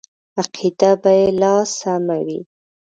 عقیده به یې لا سمه وي.